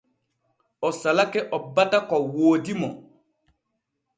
O salake o bata ko woodi mo.